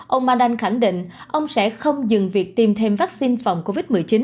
ông mandan khẳng định ông sẽ không dừng việc tiêm thêm vắc xin phòng covid một mươi chín